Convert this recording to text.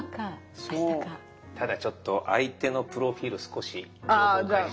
ただちょっと相手のプロフィール少し情報開示しますよ。